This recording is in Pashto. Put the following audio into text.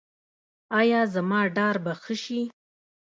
ایا زما ډار به ښه شي؟